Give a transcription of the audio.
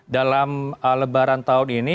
dalam lebaran tahun ini